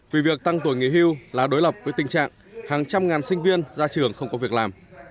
vì việc tăng tuổi nghỉ hưu là đối lập với tình trạng hàng trăm ngàn sinh viên ra trường không có việc làm